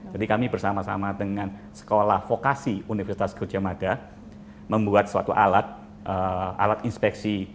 jadi kami bersama sama dengan sekolah vokasi universitas gojemada membuat suatu alat alat inspeksi